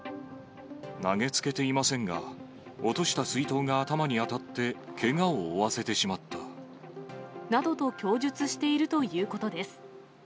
投げつけていませんが、落とした水筒が頭に当たってけがを負わせてしまった。などと供述しているということです。